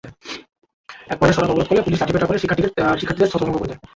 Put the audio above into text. একপর্যায়ে সড়ক অবরোধ করলে পুলিশ লাঠিপেটা করে শিক্ষার্থীদের ছত্রভঙ্গ করে দেয়।